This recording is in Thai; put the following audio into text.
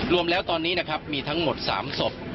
รวมแล้วตอนนี้นะครับมีทั้งหมด๓ศพ